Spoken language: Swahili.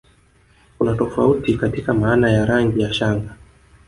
Kuna tofauti katika maana ya rangi ya shanga